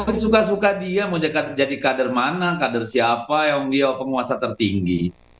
tapi suka suka dia mau jadi kader mana kader siapa yang dia penguasa tertinggi